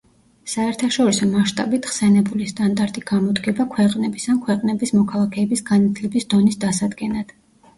საერთაშორისო მასშტაბით ხსენებული სტანდარტი გამოდგება ქვეყნების, ან ქვეყნების მოქალაქეების განათლების დონის დასადგენად.